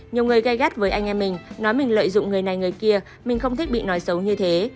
nhiều người gây gắt với anh em mình nói mình lợi dụng người này người kia mình không thích bị nói xấu như thế